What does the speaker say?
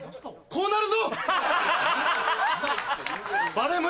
こうなる！